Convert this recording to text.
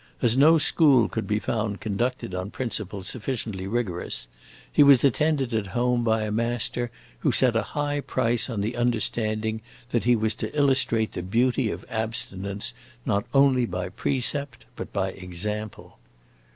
As no school could be found conducted on principles sufficiently rigorous, he was attended at home by a master who set a high price on the understanding that he was to illustrate the beauty of abstinence not only by precept but by example.